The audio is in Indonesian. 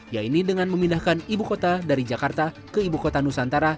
yaitu dengan memindahkan ibu kota dari jakarta ke ibu kota nusantara